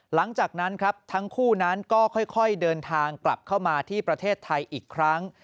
หลังจากนั้นครับทั้งคู่นั้นก็ค่อยเดินทางกลับเข้ามาที่ประเทศไทยอีกครั้ง